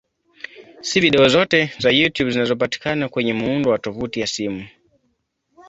Si video zote za YouTube zinazopatikana kwenye muundo wa tovuti ya simu.